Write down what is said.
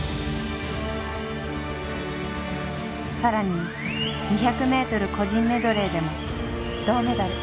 更に２００ｍ個人メドレーでも銅メダル。